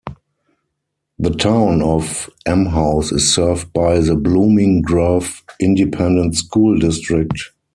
The Town of Emhouse is served by the Blooming Grove Independent School District.